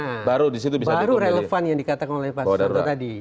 nah baru relevan yang dikatakan oleh pak suryanto tadi